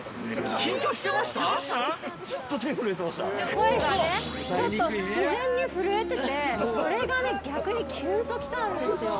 声がちょっと自然に震えててそれが逆にキュンときたんですよ。